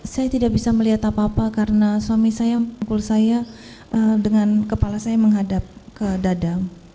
saya tidak bisa melihat apa apa karena suami saya pukul saya dengan kepala saya menghadap ke dada